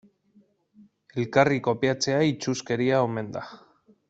Elkarri kopiatzea itsuskeria omen da.